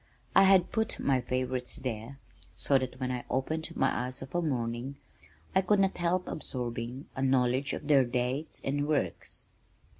I had put my favorites there so that when I opened my eyes of a morning, I could not help absorbing a knowledge of their dates and works.